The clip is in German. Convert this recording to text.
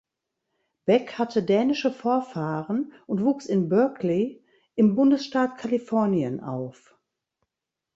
Beck hatte dänische Vorfahren und wuchs in Berkeley im Bundesstaat Kalifornien auf.